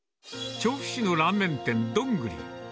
調布市のラーメン店、どんぐり。